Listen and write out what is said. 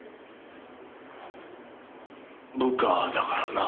部下だからな。